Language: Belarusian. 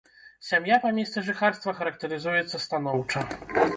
Сям'я па месцы жыхарства характарызуецца станоўча.